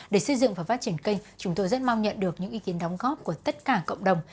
để xây dựng và phát triển kênh chúng tôi rất mong nhận được những ý kiến đóng góp của tất cả cộng đồng